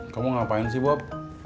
kamu ngapain sih bob